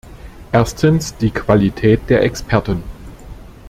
Erstens die Qualität der Experten.